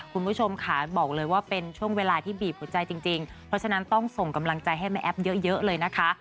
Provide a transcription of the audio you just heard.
คุณผู้ชมค่ะบอกเลยว่าเป็นช่วงเวลาที่บีบหัวใจจริงเพราะฉะนั้นต้องส่งกำลังใจให้แม่แอ๊บเยอะเลยนะคะ